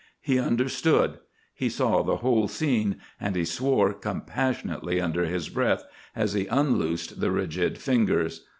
He understood—he saw the whole scene, and he swore compassionately under his breath, as he unloosed the rigid fingers.